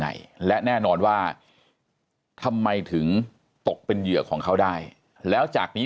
ไหนและแน่นอนว่าทำไมถึงตกเป็นเหยื่อของเขาได้แล้วจากนี้